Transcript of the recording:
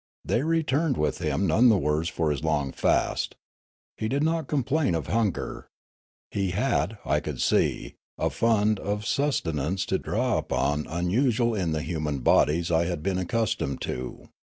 They returned with him none the worse for his long fast. He did not complain of hunger. He had, I could see, a fund of sustenance to draw upon unusual in the human bodies I had been accustomed to.